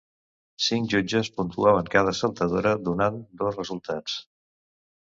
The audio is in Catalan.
Cinc jutges puntuaven cada saltadora, donant dos resultats.